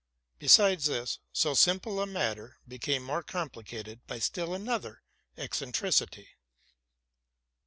Besides this, so simple a mat ter became more complicated by still another eccentricity.